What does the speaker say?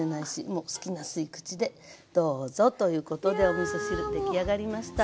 もう好きな吸い口でどうぞということでおみそ汁出来上がりました。